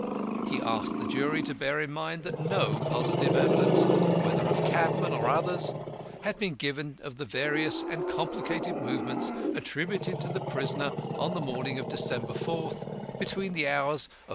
He asked the jury to bear in mind that no positive evidence (whether of cabmen or others) had been given of the various and complicated movements attributed to the prisoner on the morning of December 4th, between the hours of 5.